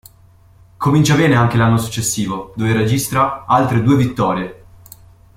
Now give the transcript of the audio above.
Comincia bene anche l'anno successivo dove registra altre due vittorie.